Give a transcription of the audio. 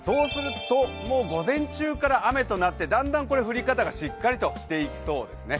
もう午前中から雨となってだんだんと降り方がしっかりとしてきそうですね。